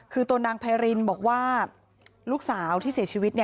คือตัวนางไพรินบอกว่าลูกสาวที่เสียชีวิต